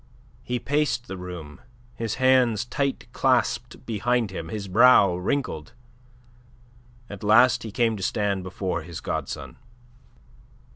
He paced the room, his hands tight clasped behind him, his brow wrinkled. At last he came to stand before his godson.